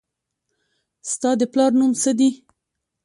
ستا د پلار نوم څه دي